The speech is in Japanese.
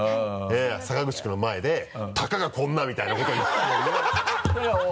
坂口君の前で「たかがこんな」みたいなことをハハハ